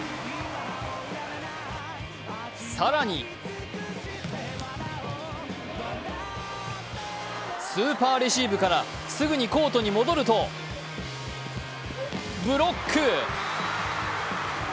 更にスーパーレシーブからすぐにコートに戻るとブロック。